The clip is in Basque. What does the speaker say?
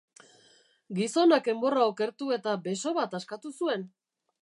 Gizonak enborra okertu eta beso bat askatu zuen!